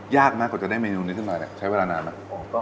ยากมากกว่าจะได้เมนูนี้ขึ้นมาใช้เวลานานไหม